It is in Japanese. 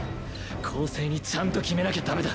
「公正」にちゃんと決めなきゃ駄目だ。